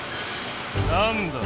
何だ？